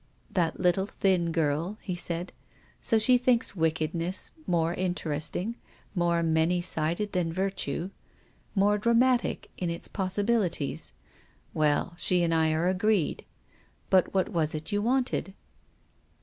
"That little thin girl," he said. "So she thinks wickedness more interesting, more many sided than virtue, more dramatic in its possibil ities. Well, she and I arc agreed. But what was it you wanted